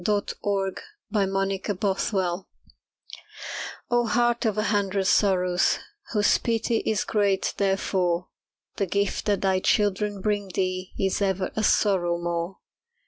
HEART OF A HUNDRED SORROWS Oh, Heart of a Hundred Sorrows, Whose pity is great therefore, The gift that thy children bring thee Is ever a sorrow more.